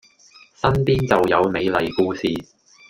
身邊就有美麗故事